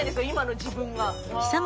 今の自分が。